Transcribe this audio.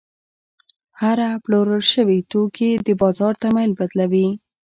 هره پلورل شوې توکي د بازار تمایل بدلوي.